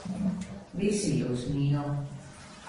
Visi jūs mīl.